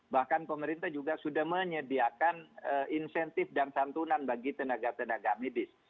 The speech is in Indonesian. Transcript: bahkan pemerintah juga sudah menyediakan insentif dan santunan bagi tenaga tenaga medis